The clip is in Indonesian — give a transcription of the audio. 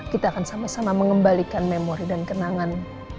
kita akan sama sama mengembalikan memori dan kenangan